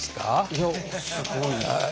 いやすごい。